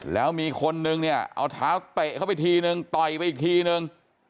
แล้วมีคนนึงเนี่ยเอาเท้าเตะเข้าไปทีนึงต่อยไปอีกทีนึง